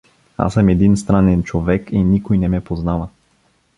Аз съм един странен човек и никой не ме познава.